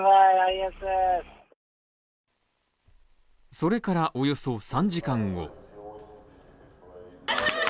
それからおよそ３時間後。